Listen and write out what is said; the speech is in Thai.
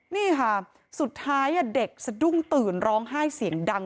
นี่ค่ะสุดท้ายเด็กสะดุ้งตื่นร้องไห้เสียงดัง